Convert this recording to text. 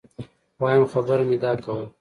وایم خبره مي دا کول